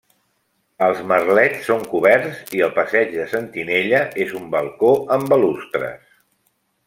Els merlets són coberts i el passeig de sentinella és un balcó amb balustres.